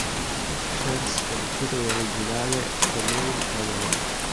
Pictures con il titolo originale "The Male Animal".